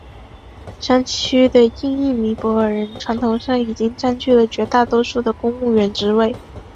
山区的印裔尼泊尔人传统上已经占据了绝大多数的公务员职位。